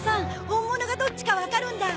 本物がどっちかわかるんだ。